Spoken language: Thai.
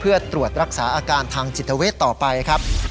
เพื่อตรวจรักษาอาการทางจิตเวทต่อไปครับ